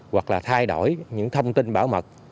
hoặc là thay đổi những thông tin bảo mật